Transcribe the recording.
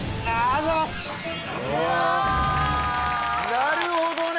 なるほどね。